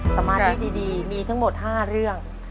สมาธิดีมีทั้งหมด๕เรื่อง